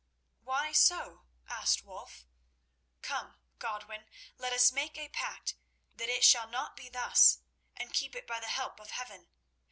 "Why so?" asked Wulf. "Come, Godwin, let us make a pact that it shall not be thus, and keep it by the help of heaven.